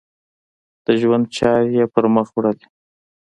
د ژوند چارې یې پر مخ یوړې.